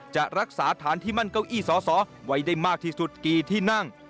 จะรักษาฐานที่มั่นเก้าอี้สอสอไว้ได้มากที่สุดกี่ที่นั่ง